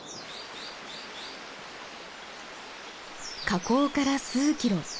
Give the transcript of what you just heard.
河口から数キロ。